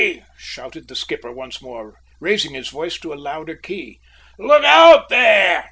shouted the skipper once more, raising his voice to a louder key. "Look out, there!"